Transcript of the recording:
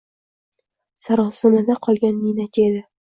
Sarosimada qolgan ninachi edi.